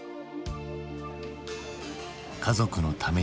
家族のために。